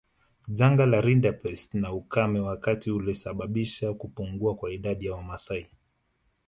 Janga la rinderpest na ukame wakati ulisababisha kupungua kwa idadi ya Wamasai